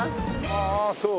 ああそう。